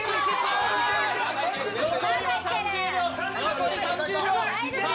残り３０秒！